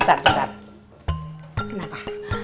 bentar bentar kenapa